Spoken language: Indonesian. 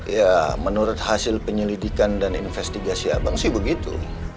ya menurut hasil penyelidikan dan investigasi abang sih begitu